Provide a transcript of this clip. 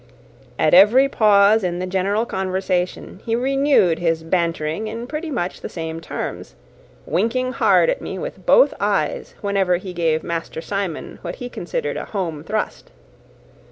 At every pause in the general conversation, he renewed his bantering in pretty much the same terms; winking hard at me with both eyes whenever he gave Master Simon what he considered a home thrust.